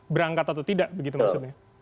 berangkat atau tidak begitu maksudnya